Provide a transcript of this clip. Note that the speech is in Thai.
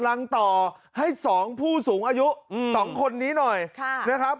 ยังต่อให้๒ผู้สูงอายุ๒คนนี้หน่อยนะครับ